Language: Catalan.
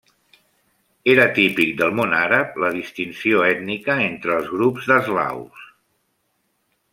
Era típic del món àrab la distinció ètnica entre els grups d'eslaus.